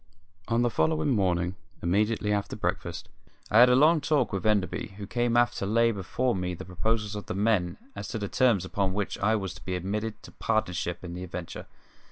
On the following morning, immediately after breakfast, I had a long talk with Enderby, who came aft to lay before me the proposals of the men as to the terms upon which I was to be admitted to partnership in the adventure.